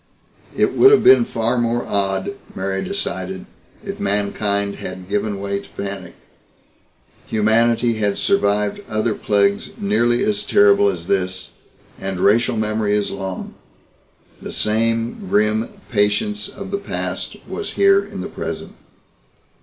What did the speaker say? It would have been far more odd, Mary decided, if mankind had given way to panic. Humanity had survived other plagues nearly as terrible as this and racial memory is long. The same grim patience of the past was here in the present.